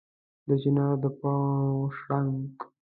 د چنار د پاڼو شرنګ